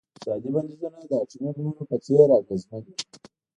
اقتصادي بندیزونه د اټومي بمونو په څیر اغیزمن دي.